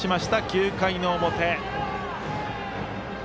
９回の表。